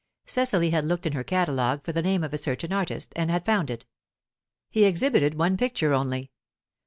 Cecily had looked in her catalogue for the name of a certain artist, and had found it; he exhibited one picture only.